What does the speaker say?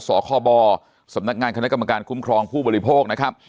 คบสำนักงานคณะกรรมการคุ้มครองผู้บริโภคนะครับ